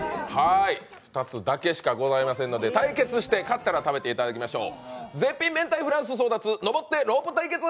２つだけしかございませんので、対決して買ったら食べていただきましょう。